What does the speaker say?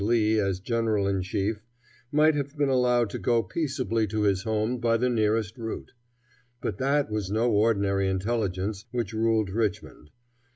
Lee as general in chief, might have been allowed to go peaceably to his home by the nearest route. But that was no ordinary intelligence which ruled Richmond.